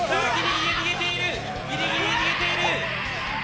ギリギリ逃げている！